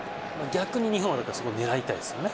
逆に日本はここ狙いたいですね。